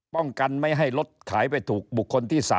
ป้องกันไม่ให้รถขายไปถูกบุคคลที่๓